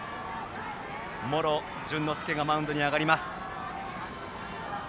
茂呂潤乃介がマウンドに上がります。